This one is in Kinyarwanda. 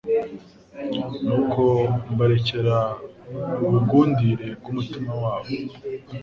nuko mbarekera ubugundire bw’umutima wabo